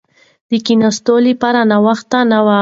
د کښېناستو لپاره ناوخته نه وي.